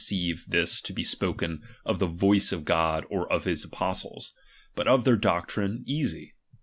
273I this to be spoken of the voice f>f God or of his apostles ; but of their doctrine, easy.